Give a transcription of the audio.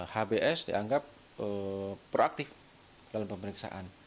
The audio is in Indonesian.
hbs dianggap proaktif dalam pemeriksaan